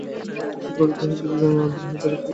কী করিতে হয় কিছুই জানে না, অধীর হইয়া বেড়াইতে লাগিল।